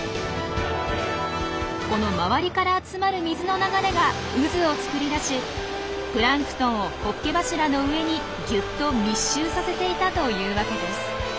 この周りから集まる水の流れが渦を作り出しプランクトンをホッケ柱の上にぎゅっと密集させていたというわけです。